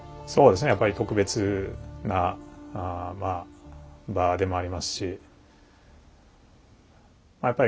そうですねやっぱり特別な場でもありますしま